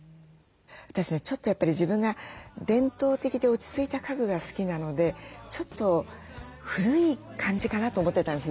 私ねちょっとやっぱり自分が伝統的で落ち着いた家具が好きなのでちょっと古い感じかなと思ってたんです